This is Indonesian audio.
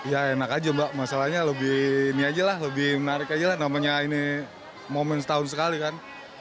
ya enak aja mbak masalahnya lebih ini aja lah lebih menarik aja lah namanya ini momen setahun sekali kan